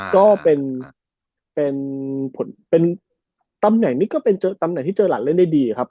ก็เป็นตำแหน่งนี้ก็เป็นตำแหน่งที่เจอหลักเล่นได้ดีครับ